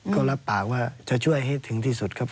ก็รับปากว่าจะช่วยให้ถึงที่สุดครับ